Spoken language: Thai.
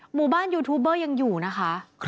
หมู่บ้านยูทูบเบอร์ยังอยู่นะคะ